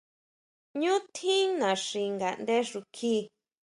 Ñú tjín naxi ngaʼndé xukji.